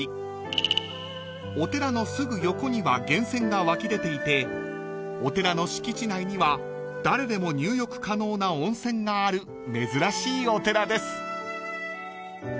［お寺のすぐ横には源泉が湧き出ていてお寺の敷地内には誰でも入浴可能な温泉がある珍しいお寺です］